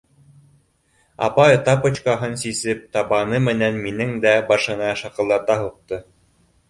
Апай тапочкаһын сисеп, табаны менән минең дә башына шаҡылдата һуҡты.